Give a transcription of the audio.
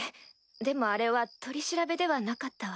でもあれは取り調べではなかったわ。